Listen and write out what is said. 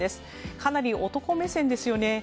かなり男目線ですよね。